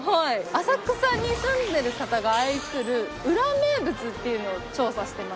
浅草に住んでる方が愛する裏名物っていうのを調査してまして。